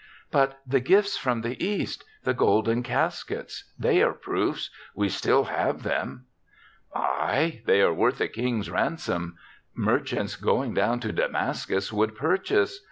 But the gifts from the East — the golden caskets ; they are proofs, y/e still have them.'' "Aye. They are worth a king's ransom. Merchants going down to Damascus would purchase.